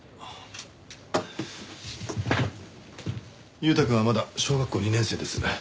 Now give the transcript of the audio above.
裕太くんはまだ小学校２年生です。